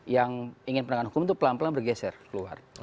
yang ingin penegakan hukum itu pelan pelan bergeser keluar